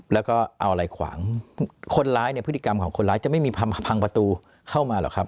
แล้วก็เอาอะไรขวางคนร้ายเนี่ยพฤติกรรมของคนร้ายจะไม่มีพังประตูเข้ามาหรอกครับ